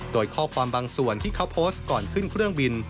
โดยข้อความบางส่วนที่เขาโพสต์ก่อนขึ้นเครื่องบิน